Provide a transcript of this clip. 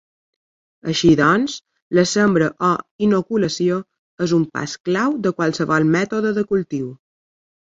Així doncs, la sembra o inoculació és un pas clau de qualsevol mètode de cultiu.